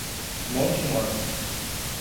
Monte Mor